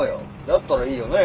だったらいいよね？